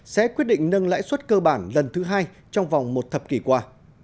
sẽ quyết định nâng lãi suất cơ bản lần thứ hai trong vòng một thập kỷ qua